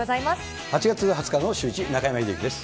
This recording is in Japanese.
８月２０日のシューイチ、中山秀征です。